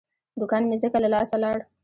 دوکان مې ځکه له لاسه لاړ.